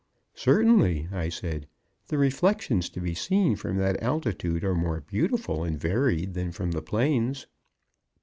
"Certainly," I said, "the reflections to be seen from that altitude are more beautiful and varied than from the plains."